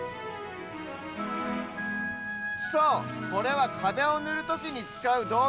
そうこれはかべをぬるときにつかうどうぐ！